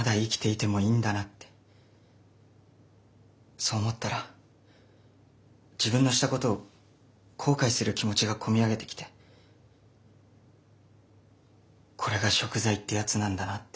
そう思ったら自分のしたことを後悔する気持ちが込み上げてきてこれがしょく罪ってやつなんだなって。